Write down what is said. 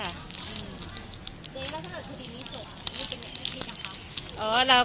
เราก็ไม่เป็นไรค่ะ